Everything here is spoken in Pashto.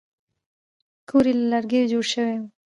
کور یې له لرګیو جوړ شوی و.